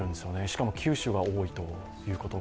しかも九州が多いということ。